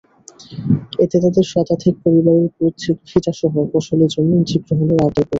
এতে তাঁদের শতাধিক পরিবারের পৈতৃক ভিটাসহ ফসলি জমি অধিগ্রহণের আওতায় পড়বে।